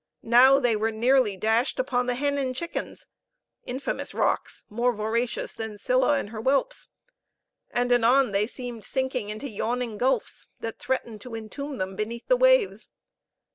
Now they were nearly dashed upon the Hen and Chickens (infamous rocks! more voracious than Scylla and her whelps!); and anon they seemed sinking into yawning gulfs, that threatened to entomb them beneath the waves.